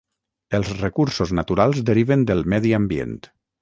Els recursos naturals deriven del medi ambient.